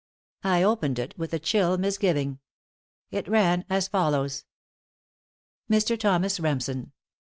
I opened it with a chill misgiving. It ran as follows: MR. THOMAS REMSEN.